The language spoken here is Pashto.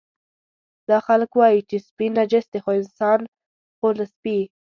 دا خلک وایي چې سپي نجس دي، خو انسان خو له سپي.